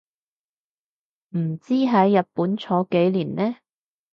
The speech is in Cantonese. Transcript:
唔知喺日本坐幾年呢